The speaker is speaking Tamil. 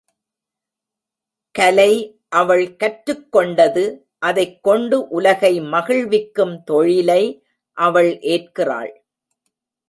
கலை அவள் கற்றுக் கொண்டது அதைக் கொண்டு உலகை மகிழ்விக்கும் தொழிலை அவள் ஏற்கிறாள்.